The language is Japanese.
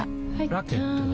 ラケットは？